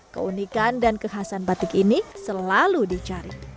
keunikan dan kekhasan batik ini selalu dicari